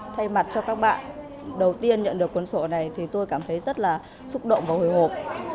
thay mặt cho các bạn đầu tiên nhận được cuốn sổ này thì tôi cảm thấy rất là xúc động và hồi hộp